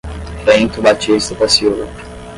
Bento Batista da Silva